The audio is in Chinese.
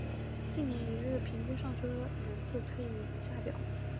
近年一日平均上车人次推移如下表。